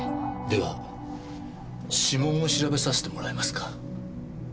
では指紋を調べさせてもらえますか？